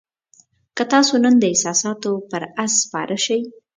که تاسو نن د احساساتو پر آس سپاره شئ.